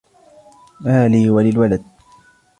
مَا لِي وَلِلْوَلَدِ